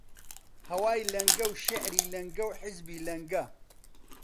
هەوای لەنگ و شیعری لەنگە و حیزبی لەنگە: